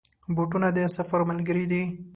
بوټونه د سفر ملګري دي.